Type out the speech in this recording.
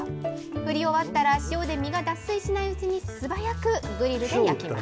振り終わったら塩で身が脱水しないうちにすばやくグリルで焼きます。